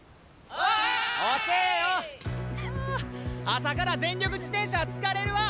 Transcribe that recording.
あ朝から全力自転車は疲れるわ！